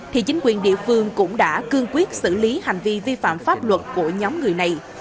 thì chính quyền địa phương cũng đã cương quyết xử lý hành vi vi phạm pháp luật của nhóm người này